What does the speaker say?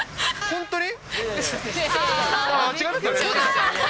本当に？